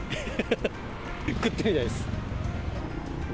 食ってみたいです。